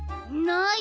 ない！